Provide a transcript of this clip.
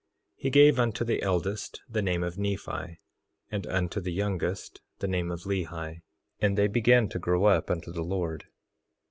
He gave unto the eldest the name of Nephi, and unto the youngest, the name of Lehi. And they began to grow up unto the Lord.